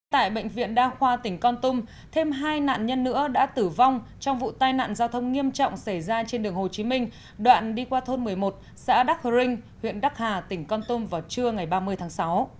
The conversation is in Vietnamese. tại bệnh viện đa khoa tỉnh con tum thêm hai nạn nhân nữa đã tử vong trong vụ tai nạn giao thông nghiêm trọng xảy ra trên đường hồ chí minh đoạn đi qua thôn một mươi một xã đắc hơ rinh huyện đắc hà tỉnh con tum vào trưa ngày ba mươi tháng sáu